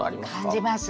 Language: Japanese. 感じます。